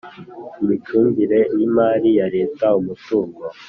Imicungire y imari ya leta umutungo